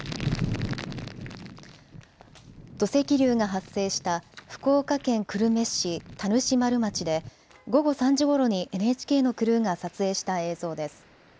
土石流が発生した福岡県久留米市田主丸町で午後３時ごろにＮＨＫのクルーが撮影した映像です。